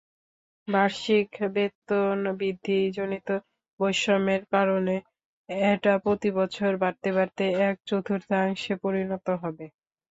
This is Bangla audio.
বার্ষিক বেতন বৃদ্ধিজনিত বৈষম্যের কারণে এটা প্রতিবছর বাড়তে বাড়তে এক–চতুর্থাংশে পরিণত হবে।